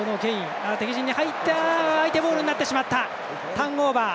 ターンオーバー。